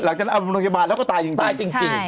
หลังจากนั้นเอาไปโรงยาบาลแล้วก็ตายจริง